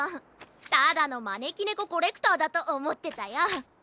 ただのまねきねこコレクターだとおもってたよ。